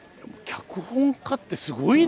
脚本家ってすごいですね。